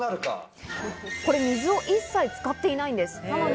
これ、水を一切使っていないんですね。